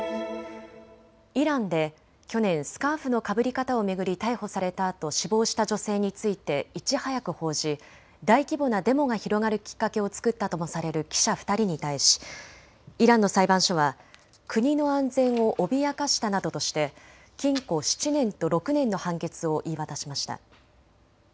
イランで去年、スカーフのかぶり方を巡り逮捕されたあと死亡した女性についていち早く報じ、大規模なデモが広がるきっかけを作ったともされる記者２人に対しイランの裁判所は国の安全を脅かしたなどとして禁錮７年と６年の判決を言い渡しました。